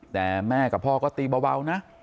แต่แม่กับพ่อก็ตีเบานะ